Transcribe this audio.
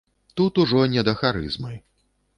Тут ужо не да харызмы.